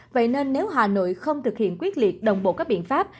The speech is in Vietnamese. vậy nên nếu hà nội không thực hiện quyết liệt đồng bộ các biện pháp